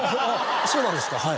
そうなんですかはい。